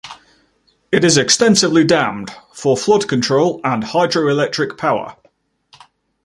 It is extensively dammed for flood control and hydroelectric power.